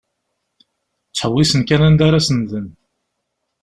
Ttḥewwisen kan anda ara senden.